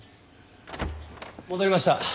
戻りました。